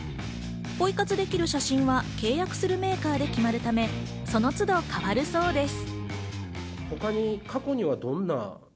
ポイ活できる写真は契約するメーカーで決まるため、その都度変わるそうです。